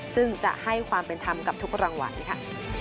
ซึ่งจะให้ความเป็นธรรมกับทุกรางวัลค่ะ